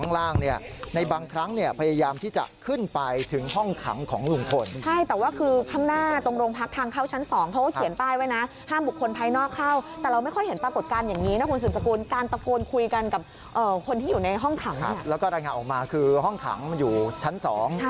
ฟังเพลงที่ลุงพลเสียงดังออกมาไปฟังเพลงที่ลุงพลเสียงดังออกมาไปฟังเพลงที่ลุงพลเสียงดังออกมาไปฟังเพลงที่ลุงพลเสียงดังออกมาไปฟังเพลงที่ลุงพลเสียงดังออกมาไปฟังเพลงที่ลุงพลเสียงดังออกมาไปฟังเพลงที่ลุงพลเสียงดังออกมาไปฟังเพลงที่ลุงพลเสียงดังออกมาไปฟังเพลงที่ลุงพ